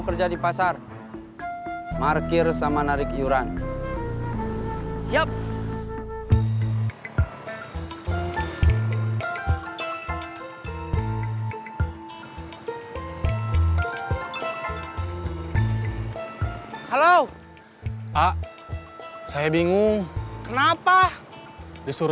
karena ayam darah mungkin biasa konsumen kar moetadzir